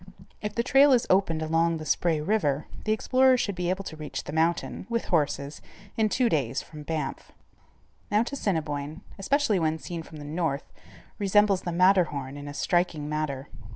If the trail is opened along the Spray River, the explorer should be able to reach the mountain, with horses, in two days from Banff. Mount Assiniboine, especially when seen from the north, resembles the Matterhorn in a striking manner.